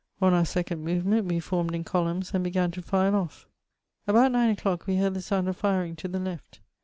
On our second movement we formed in columns and began to file off. About nine o'clock we heard the sound of firing to the left.